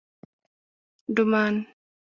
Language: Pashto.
_ډمان